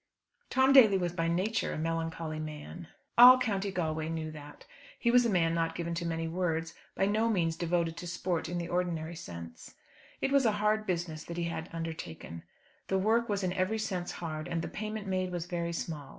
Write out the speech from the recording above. Tom Daly was by nature a melancholy man. All County Galway knew that. He was a man not given to many words, by no means devoted to sport in the ordinary sense. It was a hard business that he had undertaken. The work was in every sense hard, and the payment made was very small.